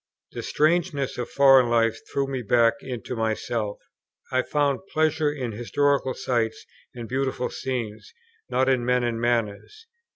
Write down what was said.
The strangeness of foreign life threw me back into myself; I found pleasure in historical sites and beautiful scenes, not in men and manners.